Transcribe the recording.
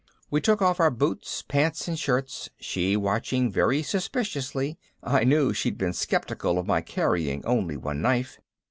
We took off our boots, pants and shirts, she watching very suspiciously I knew she'd been skeptical of my carrying only one knife.